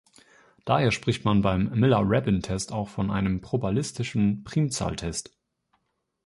Daher spricht man beim Miller-Rabin-Test auch von einem probabilistischen Primzahltest.